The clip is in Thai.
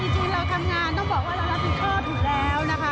จริงเราทำงานต้องบอกว่าเรารับผิดชอบอยู่แล้วนะคะ